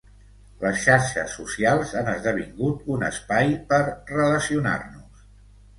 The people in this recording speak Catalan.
Les xarxes socials han esdevingut un espai per relacionar-nos.